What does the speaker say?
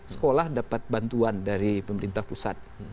sekolah dapat bantuan dari pemerintah pusat